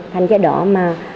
thành cái đó mà